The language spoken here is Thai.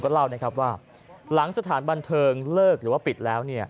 ก็เล่าว่าหลังสถานบันเทิงเลิกหรือปิดแล้ว